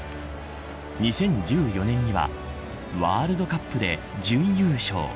２０１４年にはワールドカップで準優勝。